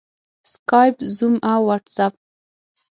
سکایپ، زوم او واټساپ